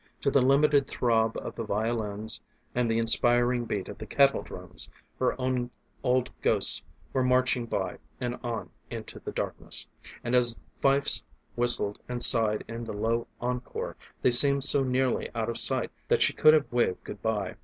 To the limited throb of the violins and the inspiring beat of the kettle drums her own old ghosts were marching by and on into the darkness, and as fifes whistled and sighed in the low encore they seemed so nearly out of sight that she could have waved good by.